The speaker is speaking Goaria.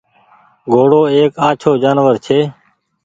گھوڙو ايڪ آڇو جآنور ڇي